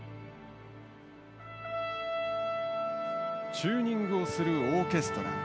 チューニングをするオーケストラ。